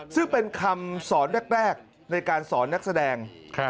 ซึ่งเป็นคำสอนแรกในการสอนนักแสดง